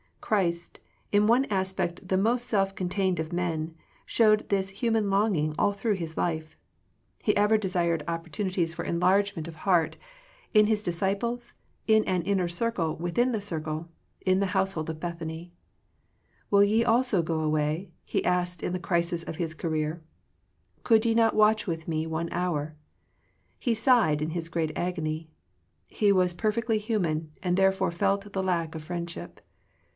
Christ, in one aspect the most self contained of men, showed this human longing all through His life. He ever desired opportunities 66 Digitized by VjOOQIC THE FRUITS OF FRIENDSHIP for enlargement of heart — in His disci ples, in an inner circle within the circle, in the household of Bethany. '* Will ye also go away?" He asked in the crisis of His career. Could ye not watch with Me one hour?" He sighed in His great agony. He was perfectly hu man, and therefore felt the lack of friendship.